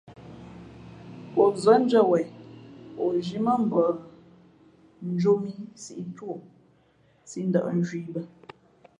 O zάndʉ̄ᾱ wen, o zhī mά mbα njō mǐ sǐʼ tú o, sī ndα̌ʼ nzhwīē i bᾱ.